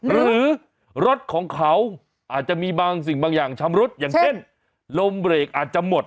หรือรถของเขาอาจจะมีบางสิ่งบางอย่างชำรุดอย่างเช่นลมเบรกอาจจะหมด